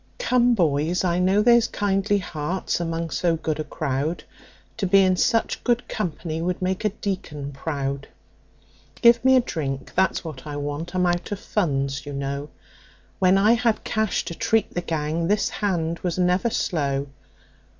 "Come, boys, I know there's kindly hearts among so good a crowd To be in such good company would make a deacon proud. "Give me a drink that's what I want I'm out of funds, you know, When I had cash to treat the gang this hand was never slow.